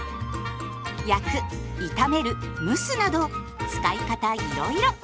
焼く炒める蒸すなど使い方いろいろ。